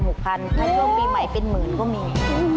ถ้าช่วงปีใหม่เป็นหมื่นก็มี